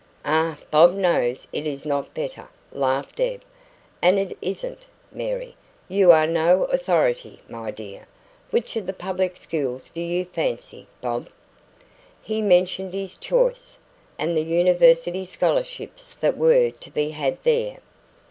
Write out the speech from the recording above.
"Ah, Bob knows it is not better," laughed Deb. "And it isn't, Mary; you are no authority, my dear. Which of the public schools do you fancy, Bob?" He mentioned his choice, and the University scholarships that were to be had there.